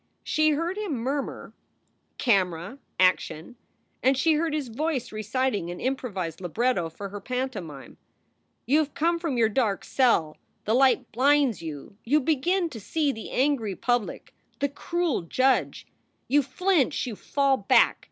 She heard him murmur : "Camera! Action!" and she heard his voice reciting an improvised libretto for her pantomime. "You ve come from your dark cell ! The light blinds you ! You begin to see the angry public, the cruel judge. You SOULS FOR SALE 227 flinch. You fall back.